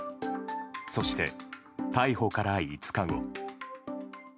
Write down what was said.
そして、逮捕から５日後。